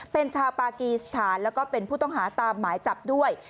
เป็นชาวปากีสถานแล้วก็เป็นผู้ต้องหาตามหมายจับด้วย